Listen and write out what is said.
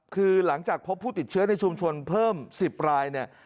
คือหลังจากพบผู้ติดเชื้อในชุมชนเพิ่ม๑๐รายเนี่ย